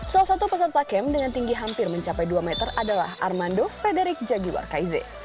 salah satu peserta kem dengan tinggi hampir mencapai dua meter adalah armando frederic jagiwar kaize